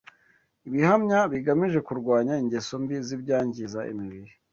Ibihamya bigamije kurwanya ingeso mbi z’ibyangiza imibiri